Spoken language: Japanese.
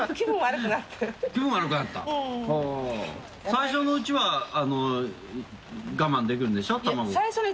最初のうちは我慢できるんでしょ？